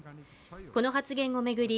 この発言を巡り